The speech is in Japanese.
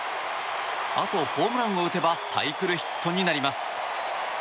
あとホームランを打てばサイクルヒットになります。